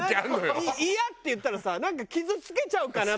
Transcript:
「いや」って言ったらなんか傷つけちゃうかなとかさ。